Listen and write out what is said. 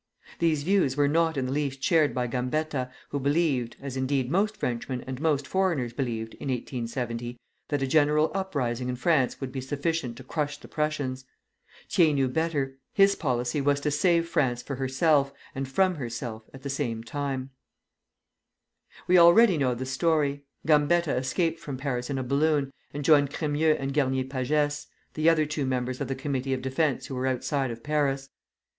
These views were not in the least shared by Gambetta, who believed as, indeed, most Frenchmen and most foreigners believed in 1870 that a general uprising in France would be sufficient to crush the Prussians. Thiers knew better; his policy was to save France for herself and from herself at the same time. [Illustration: LÉON GAMBETTA.] We already know the story. Gambetta escaped from Paris in a balloon, and joined Crémieux and Garnier Pagès, the other two members of the Committee of Defence who were outside of Paris.